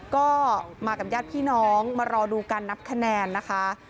ก็มากับญาติพี่น้องมารอดูการนับคะแนนนะคะ